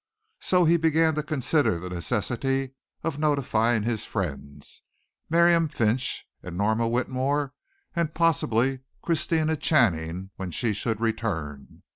So he began to consider the necessity of notifying his friends Miriam Finch and Norma Whitmore and possibly Christina Channing, when she should return.